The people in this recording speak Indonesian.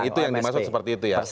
itu yang dimaksud seperti itu ya